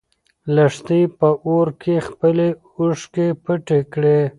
لښتې په اور کې خپلې اوښکې پټې کړې.